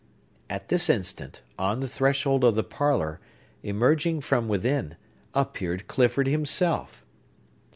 At this instant, on the threshold of the parlor, emerging from within, appeared Clifford himself!